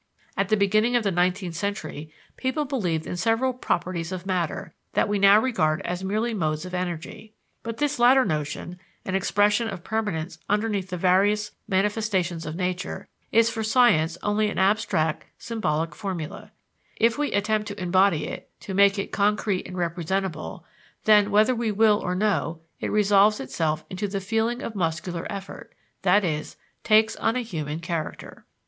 At the beginning of the nineteenth century people believed in several "properties of matter" that we now regard as merely modes of energy. But this latter notion, an expression of permanence underneath the various manifestations of nature, is for science only an abstract, symbolical formula: if we attempt to embody it, to make it concrete and representable, then, whether we will or no, it resolves itself into the feeling of muscular effort, that is, takes on a human character.